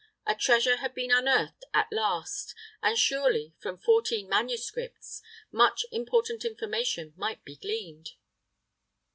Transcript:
A treasure had been unearthed at last, and surely from fourteen manuscripts much important information might be gleaned.